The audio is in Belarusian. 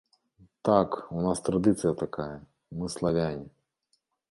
Так, у нас традыцыя такая, мы славяне.